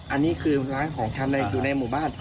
อันนี้คือร้านของชำอยู่ในหมู่บ้าน